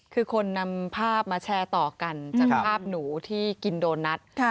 คือคนนำภาพมาแชร์ต่อกันจากภาพหนูที่กินโดนัท